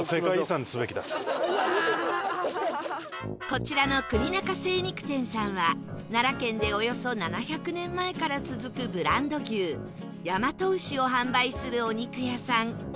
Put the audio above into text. こちらの国中精肉店さんは奈良県でおよそ７００年前から続くブランド牛大和牛を販売するお肉屋さん